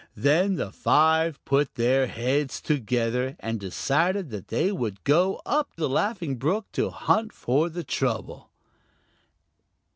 Then the five put their heads together and decided that they would go up the Laughing Brook to hunt for the trouble.